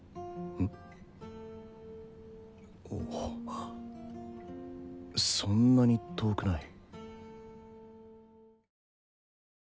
おっそんなに遠くない。